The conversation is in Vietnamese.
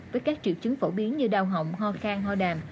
với các triệu chứng phổ biến như đau họng ho khang ho đàm